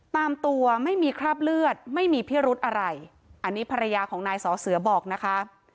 ตามตัวไม่มีคราบเลือดไม่มีพิรุธอะไรอันนี้ภรรยาของนายสอเสือบอกนะคะ